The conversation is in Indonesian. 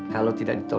saya tidak mau berhenti